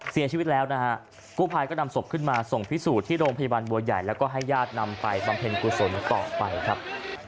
เสียชีวิตแล้วนะฮะกู้ภัยก็นำศพขึ้นมาส่งพิสูจน์ที่โรงพยาบาลบัวใหญ่แล้วก็ให้ญาตินำไปบำเพ็ญกุศลต่อไปครับ